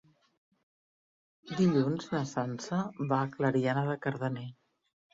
Dilluns na Sança va a Clariana de Cardener.